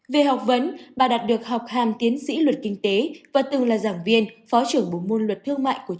về học vấn bà đạt được học hàm tiến sĩ luật kinh tế và từng là giảng viên phó trưởng bổ môn luật thương mại của trung quốc